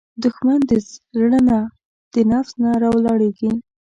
دښمن د زړه نه، د نفس نه راولاړیږي